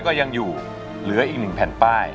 ก็ยังอยู่เหลืออีก๑แผ่นป้าย